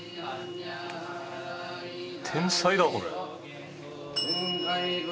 天才だこれ。